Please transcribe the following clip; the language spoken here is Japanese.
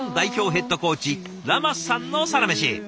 ヘッドコーチラマスさんのサラメシ。